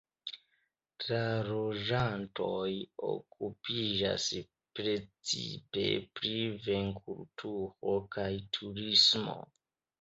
La loĝantoj okupiĝas precipe pri vinkulturo kaj turismo.